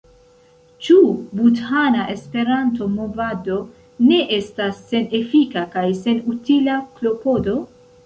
Ĉu budhana Esperanto-movado ne estas senefika kaj senutila klopodo?